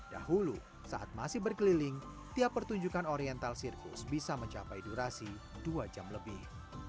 dahulu saat masih berkeliling tiap pertunjukan oriental sirkus bisa mencapai durasi dua jam lebih